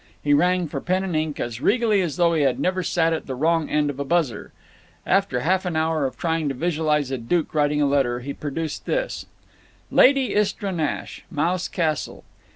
He rang for pen and ink as regally as though he had never sat at the wrong end of a buzzer. After half an hour of trying to visualize a duke writing a letter he produced this: LADY ISTRA NASH, Mouse Castle.